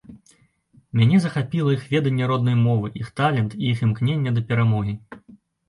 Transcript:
Мяне захапіла іх веданне роднай мовы, іх талент і іх імкненне да перамогі.